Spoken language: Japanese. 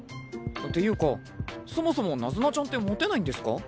ていうかそもそもナズナちゃんってモテないんですか？